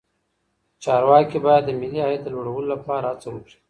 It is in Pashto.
چارواکي باید د ملي عاید د لوړولو لپاره هڅه وکړي.